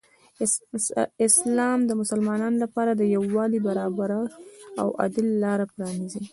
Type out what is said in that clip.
اسلام د مسلمانانو لپاره د یو والي، برابري او عدل لاره پرانیزي.